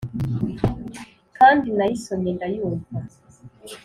kandi nayisomye ndayumva